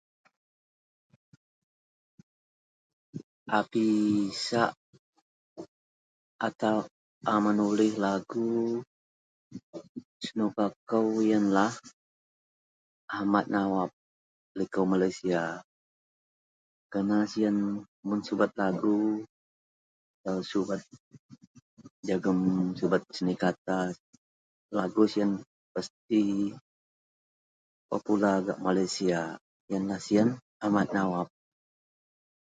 A pisak atau a menulih lagu senuka kou yianlah Ahmad Nawab yianlah likou Malaysia mun subat lagu atau jegam seni kata lagu sian popular gak malaysia yianlah aien Ahmad Nawab.